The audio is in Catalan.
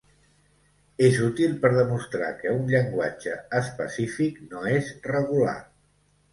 És útil per demostrar que un llenguatge específic no és regular.